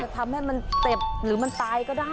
ทำให้มันเจ็บหรือมันตายก็ได้